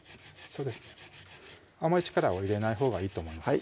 そうですあまり力を入れないほうがいいと思います